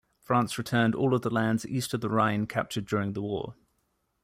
France returned all of the lands east of the Rhine captured during the war.